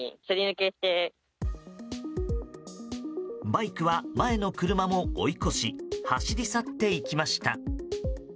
バイクは、前の車も追い越し走り去っていきました。